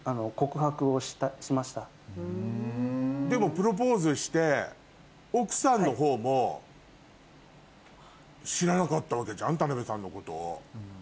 でもプロポーズして奥さんのほうも知らなかったわけじゃん田名部さんのことを。